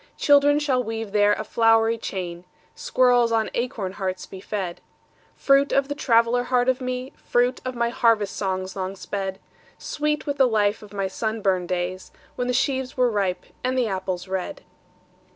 Children shall weave there a flowery chain, Squirrels on acorn hearts be fed:— Fruit of the traveller heart of me, Fruit of my harvest songs long sped: Sweet with the life of my sunburned days When the sheaves were ripe, and the apples red.